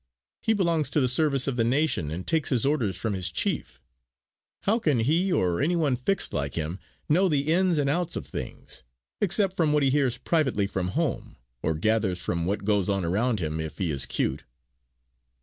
He belongs to the service of the nation and takes his orders from his chief. How can he, or any one fixed like him, know the ins and outs of things; except from what he hears privately from home, or gathers from what goes on around him if he is cute?"